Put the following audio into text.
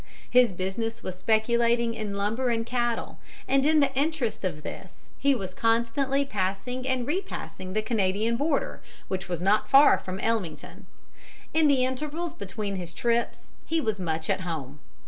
His business was speculating in lumber and cattle, and in the interest of this he was constantly passing and re passing the Canadian border, which was not far from Ellmington. In the intervals between his trips he was much at home.